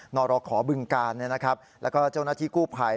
นรขอบึงกาลแล้วก็เจ้าหน้าที่กู้ภัย